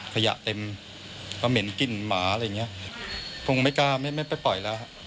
ขยะเต็มก็เหม็นกลิ่นหมาอะไรอย่างเงี้ยผมก็ไม่กล้าไม่ไปปล่อยแล้วฮะ